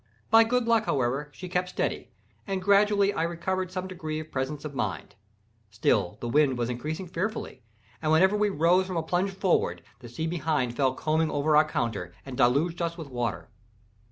By good luck, however, she kept steady, and gradually I recovered some degree of presence of mind. Still the wind was increasing fearfully, and whenever we rose from a plunge forward, the sea behind fell combing over our counter, and deluged us with water.